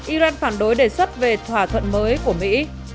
iran phản đối đề xuất về thỏa thuận mới của mỹ